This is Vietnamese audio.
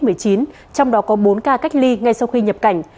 trong đó có bốn ca cách ly ngay sau khi nhập cảnh